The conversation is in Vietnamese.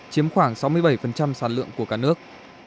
chiếm khoảng sáu mươi bảy sản lượng của cả nước